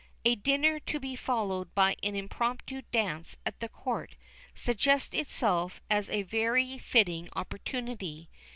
A dinner to be followed by an impromptu dance at the Court suggests itself as a very fitting opportunity.